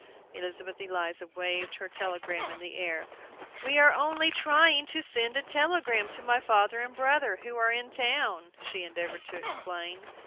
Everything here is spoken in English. Elizabeth Eliza waved her telegram in the air. "We are only trying to send a telegram to my father and brother, who are in town," she endeavored to explain.